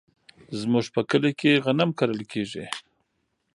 زمونږ په کلي کې غنم کرل کیږي.